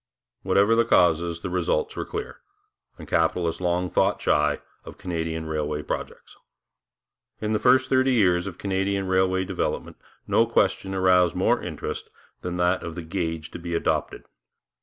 Whatever the causes, the results were clear, and capitalists long fought shy of Canadian railway projects. In the first thirty years of Canadian railway development no question aroused more interest than that of the gauge to be adopted.